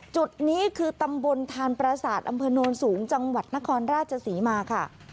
จุดนี้คือตำบลทานประสาทอำเภอโนนสูงจังหวัดนครราชศรีมาค่ะ